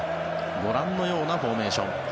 ご覧のようなフォーメーション。